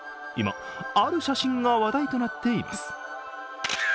今、ある写真が話題となっています